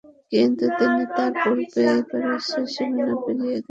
কিন্তু তিনি তার পূর্বেই পারস্যের সীমানা পেরিয়ে গেছেন।